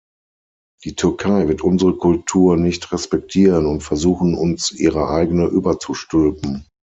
Die Türkei wird unsere Kultur nicht respektieren und versuchen, uns ihre eigene überzustülpen.